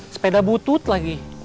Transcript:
sepeda butut lagi